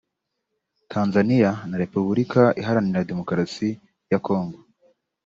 Tanzaniya na Republika iharanira demokarasi ya Congo